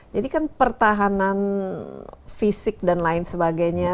jadi kan pertahanan fisik dan lain sebagainya